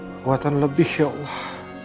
kekuatan lebih ya allah